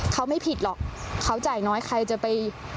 เขาไม่ผิดหรอกเขาจ่ายน้อยใครจะไป